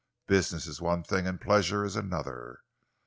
Business is one thing and pleasure is another.